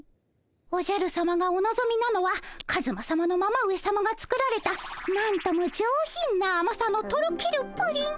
おじゃるさまがおのぞみなのはカズマさまのママ上さまが作られたなんとも上品なあまさのとろけるプリン。